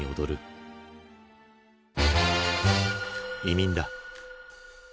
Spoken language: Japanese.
移民だ。